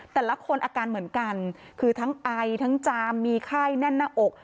แต่ละคนอาการเหมือนกันคือทั้งไอทั้งจามมีไข้แน่นหน้าอก